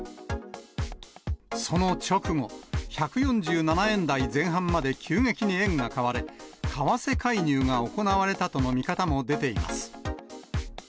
その直後、１４７円台前半まで急激に円が買われ、為替介入が行われたとの見方も出ています。